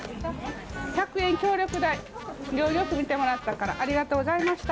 １００円協力代、行儀よく見てもらったから、ありがとうございました。